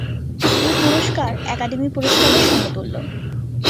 এই পুরস্কার একাডেমি পুরস্কারের সমতুল্য।